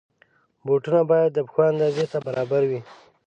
بوټونه باید د پښو اندازې ته برابر وي.